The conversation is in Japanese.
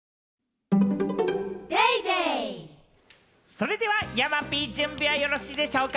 それでは山Ｐ、準備はよろしいでしょうか？